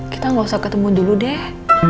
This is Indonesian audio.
kita nggak usah ketemu dulu deh